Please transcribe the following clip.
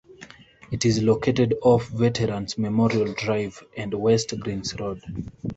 It is located off Veterans Memorial Drive and West Greens Road.